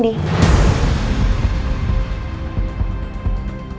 adi itu adalah rendy